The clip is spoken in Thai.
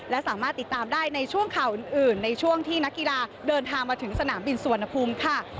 และสามารถติดตามได้ในช่วงข่าวอื่นในช่วงที่นักกีฬาเดินทางมาถึงสนามบินสุวรรณภูมิค่ะ